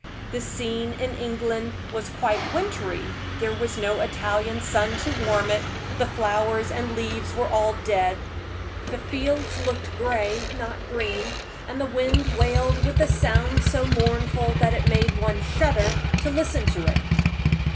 The scene in England was quite wintry; there was no Italian sun to warm it; the flowers and leaves were all dead; the fields looked gray, not green, and the wind wailed with a sound so mournful that it made one shudder to listen to it.